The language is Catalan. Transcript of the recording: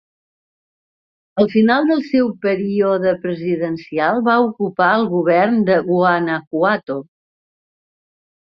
Al final del seu període presidencial va ocupar el govern de Guanajuato.